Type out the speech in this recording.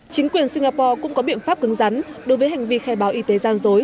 chính quyền singapore cũng có biện pháp cứng rắn đối với hành vi khai báo y tế gian dối